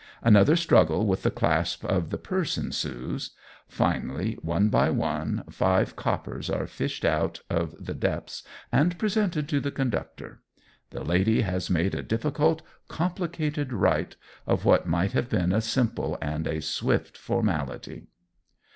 Another struggle with the clasp of the purse ensues; finally, one by one, five coppers are fished up out of the depths and presented to the conductor. The lady has made a difficult, complicated rite of what might have been a simple and a swift formality.